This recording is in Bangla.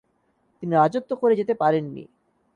তিনি রাজত্ব করে যেতে পারেননি।